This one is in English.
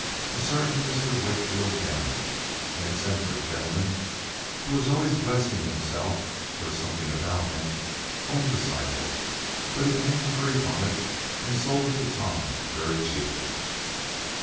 A certain Mr. Wakefield Damon, an eccentric gentleman, who was always blessing himself, or something about him, owned the cycle, but he came to grief on it, and sold it to Tom very cheaply.